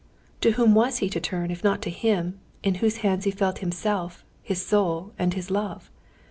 To whom was he to turn if not to Him in whose hands he felt himself, his soul, and his love?